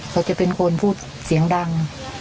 เขาจะเป็นคนพูดเสียงดัง